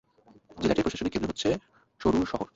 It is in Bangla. জেলাটির প্রশাসনিক কেন্দ্র হচ্ছে শরুর শহর।